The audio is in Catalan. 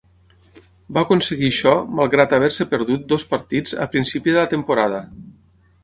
Va aconseguir això malgrat haver-se perdut dos partits a principi de la temporada.